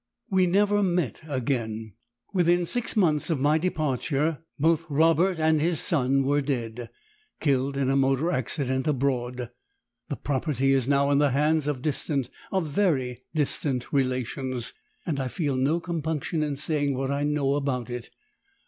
We never met again; within six months of my departure, both Robert and his son were dead killed in a motor accident abroad. The property is now in the hands of distant, of VERY distant relations, and I feel no compunction in saying what I know about it.